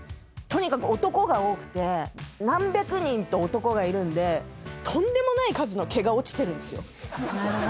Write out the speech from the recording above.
何百人と男がいるんでとんでもない数の毛が落ちてるんですよ。